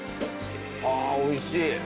おいしい！